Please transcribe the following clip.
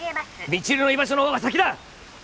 未知留の居場所のほうが先だ！